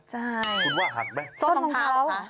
ใช่คุณว่าหักไหมส้นเท้าส้นทางเท่ากัน